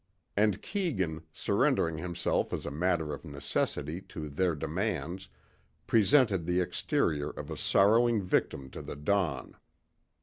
And Keegan, surrendering himself as a matter of necessity to their demands presented the exterior of a sorrowing victim to the dawn.